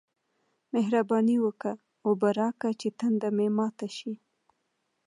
مهرباني وکه! اوبه راکه چې تنده مې ماته شي